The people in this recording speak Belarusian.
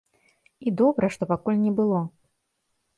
І добра, што пакуль не было.